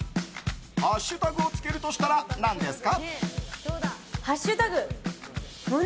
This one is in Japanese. ハッシュタグをつけるとしたら何ですか？